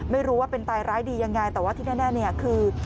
ไม่รู้ว่าเป็นตายร้ายดียังไงแต่ว่าที่แน่เนี่ยคือ